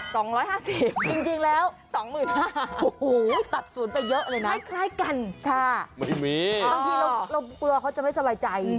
ตอนนี้เราเบื่อเขาจะไม่สบายใจ